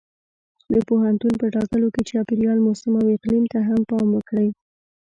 د پوهنتون په ټاکلو کې چاپېریال، موسم او اقلیم ته هم پام وکړئ.